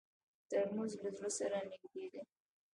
ترموز له زړه سره نږدې دی.